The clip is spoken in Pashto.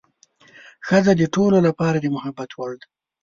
ښځه د ټولو لپاره د محبت وړ ده.